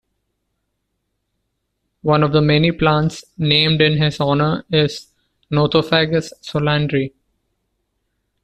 One of the many plants named in his honour is Nothofagus solandri.